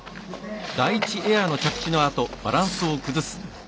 第１エアの着地のあとバランスを崩す。